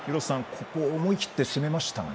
ここ思い切って攻めましたね。